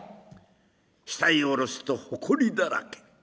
下へ下ろすとほこりだらけ。